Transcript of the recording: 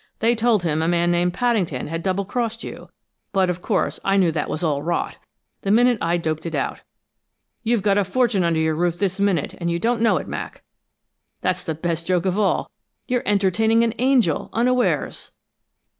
They told him a man named Paddington had double crossed you, but of course I knew that was all rot, the minute I'd doped it out. You've got a fortune under your roof this minute, and you don't know it, Mac! That's the best joke of all! You're entertaining an angel unawares!"